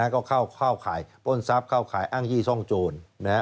ก็เข้าข่ายปล้นทรัพย์เข้าข่ายอ้างยี่ซ่องโจร